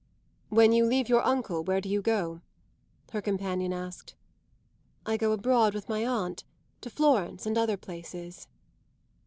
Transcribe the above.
"When you leave your uncle where do you go?" her companion asked. "I go abroad with my aunt to Florence and other places."